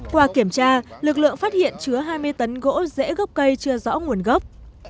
qua kiểm tra lực lượng phát hiện chứa hai mươi tấn gỗ rễ gốc cây chưa rõ nguồn gốc